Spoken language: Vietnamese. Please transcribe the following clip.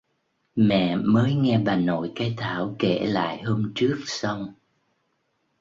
mẹ mới nghe bà nội cái thảo kể lại hôm trước xong